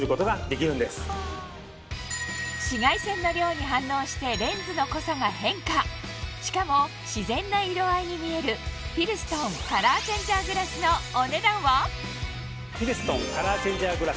紫外線の量に反応してレンズの濃さが変化しかも自然な色合いに見えるフィルストンカラーチェンジャーグラスののところ